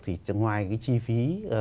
thì ngoài cái chi phí